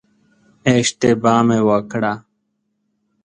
اشتباه مې وکړه.